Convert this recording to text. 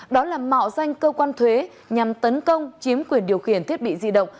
đó là mạo danh cơ quan thuế nhằm tấn công chiếm quyền điều khiển thiết bị di động